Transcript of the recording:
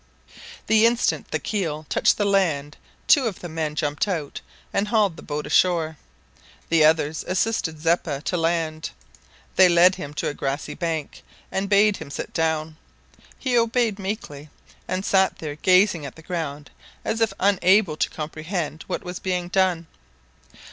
The instant the keel touched the land two of the men jumped out and hauled the boat ashore. The others assisted Zeppa to land. They led him to a grassy bank, and bade him sit down. He obeyed meekly, and sat there gazing at the ground as if unable to comprehend what was being done.